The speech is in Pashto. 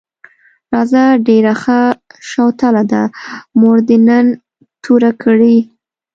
راځه ډېره ښه شوتله ده، مور دې نن توره کړې.